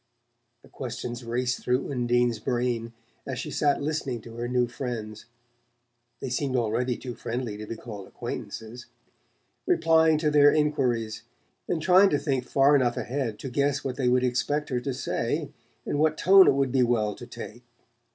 The questions raced through Undine's brain as she sat listening to her new friends they seemed already too friendly to be called acquaintances! replying to their enquiries, and trying to think far enough ahead to guess what they would expect her to say, and what tone it would be well to take.